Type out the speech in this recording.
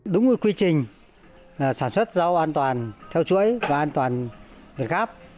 đúng quy trình sản xuất rau an toàn theo chuỗi và an toàn việt gáp